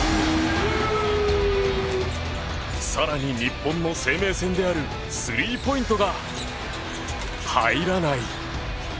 更に日本の生命線であるスリーポイントが入らない。